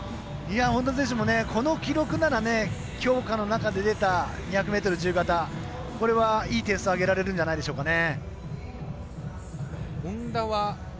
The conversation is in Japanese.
本多選手も、この記録なら強化の中で出た２００ｍ自由形これは、いい点数をあげられるんじゃないですかね。